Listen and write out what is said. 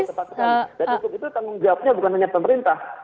dan untuk itu tanggung jawabnya bukan hanya pemerintah